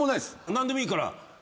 何でもいいから。